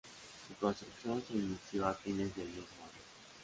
Su construcción se inició a fines del mismo año.